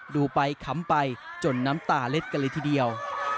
ดูไปขำไปจนน้ำตาเล็ดกันเลยทีเดียว